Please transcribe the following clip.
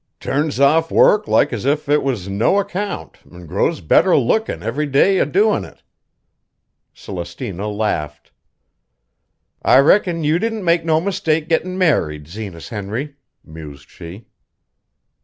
Turns off work like as if it was of no account an' grows better lookin' every day a doin' it." Celestina laughed. "I reckon you didn't make no mistake gettin' married, Zenas Henry," mused she.